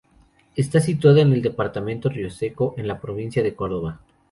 Está situada en el departamento Río Seco, en la provincia de Córdoba.